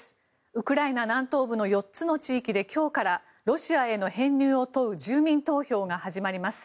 ウクライナ南東部の４つの地域で今日からロシアへの編入を問う住民投票が始まります。